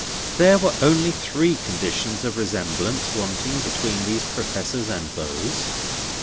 There were only three conditions of resemblance wanting between these Professors and those.